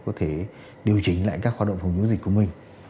có thể điều chỉnh lại các hoạt động phòng chống dịch của mình